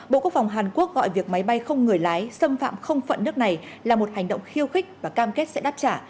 bộ quốc phòng hàn quốc gọi việc máy bay không người lái xâm phạm không phận nước này là một hành động khiêu khích và cam kết sẽ đáp trả